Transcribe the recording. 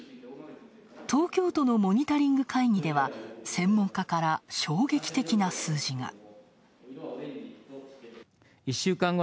東京都のモニタリング会議では専門家から衝撃的な数字が。